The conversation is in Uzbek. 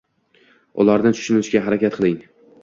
Ularni tushunishga harakat qiling.